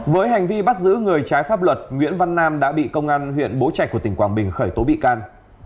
với hành vi bắt giữ người trái pháp luật nguyễn văn nam đã bị công an huyện bố trạch của tỉnh quảng bình khởi tố bị can